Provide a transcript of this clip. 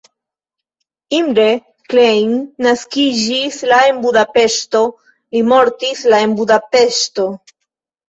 Imre Klein naskiĝis la en Budapeŝto, li mortis la en Budapeŝto.